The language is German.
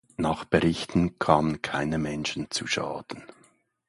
Nach Berichten kamen keine Menschen zu Schaden.